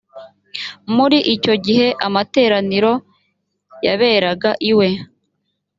muri icyo gihe amateraniro yaberaga iwe.